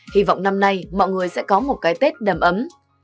hy vọng năm nay mọi người sẽ có một cái tết đầm ấm